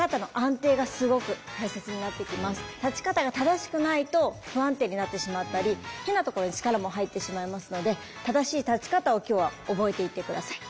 立ち方が正しくないと不安定になってしまったり変なところに力も入ってしまいますので正しい立ち方を今日は覚えていって下さい。